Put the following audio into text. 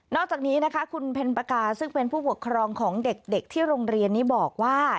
อกจากนี้นะคะคุณเพ็ญปากาซึ่งเป็นผู้ปกครองของเด็กที่โรงเรียนนี้บอกว่า